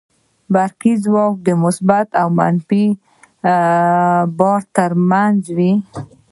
برقي ځواک د مثبت او منفي بار تر منځ وي.